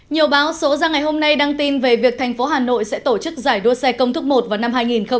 nhiều báo số ra ngày hôm nay đăng tin về việc thành phố hà nội sẽ tổ chức giải đua xe công thức một vào năm hai nghìn hai mươi